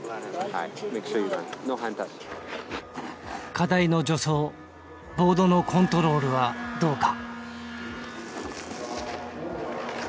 課題の助走ボードのコントロールはどうか。